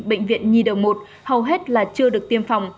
bệnh viện nhi đồng một hầu hết là chưa được tiêm phòng